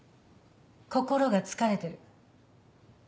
心が疲れてる。